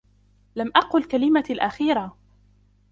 لم أقل كلمتي الأخيرة!